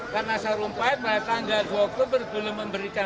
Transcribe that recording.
karena sarumpai pada tanggal dua oktober belum memberikan